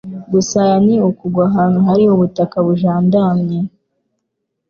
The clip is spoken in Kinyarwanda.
Gusaya ni ukugwa ahantu hari ubutaka bujandamye